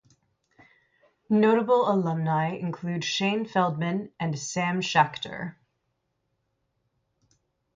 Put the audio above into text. Notable alumni include Shane Feldman and Sam Schachter.